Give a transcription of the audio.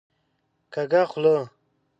کږه خوله